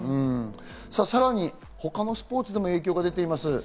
さぁ、さらに他のスポーツでも影響が出ています。